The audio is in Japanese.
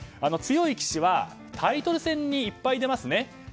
強い棋士はタイトル戦にいっぱい出ますね。